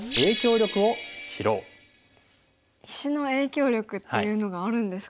石の影響力っていうのがあるんですか？